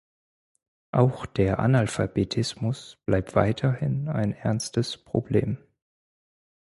Auch der Analphabetismus bleibt weiterhin ein ernstes Problem.